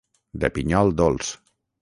De pinyol dolç.